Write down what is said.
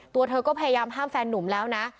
ตัวเธอก็พยายามห้ามแฟนนุ่มแล้วนะ